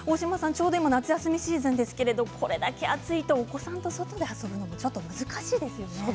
ちょうど今、夏休みシーズンですがこれだけ暑いとお子さんと外で遊ぶの難しいですね。